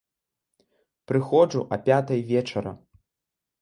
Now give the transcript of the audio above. Прыходжу а пятай вечара.